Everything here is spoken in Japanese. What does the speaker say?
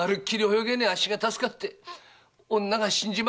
泳げねえあっしが助かって女が死んじまうなんて。